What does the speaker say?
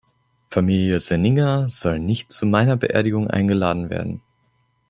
Familie Senninger soll nicht zu meiner Beerdigung eingeladen werden.